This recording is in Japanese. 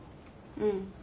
うん。